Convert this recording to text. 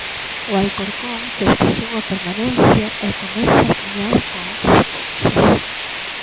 O Alcorcón festexou a permanencia e comeza a soñar con outras cousas.